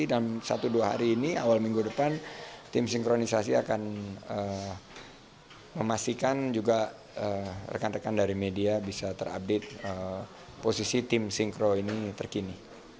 dalam satu dua hari ini awal minggu depan tim sinkronisasi akan memastikan juga rekan rekan dari media bisa terupdate posisi tim sinkro ini terkini